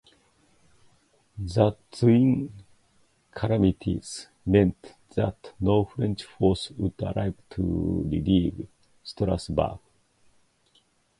The twin calamities meant that no French force would arrive to relieve Strasbourg.